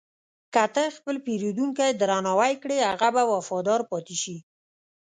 که ته خپل پیرودونکی درناوی کړې، هغه به وفادار پاتې شي.